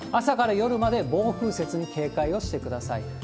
朝から夜まで暴風雪に警戒をしてください。